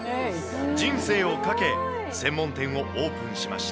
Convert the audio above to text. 人生を懸け、専門店をオープンしました。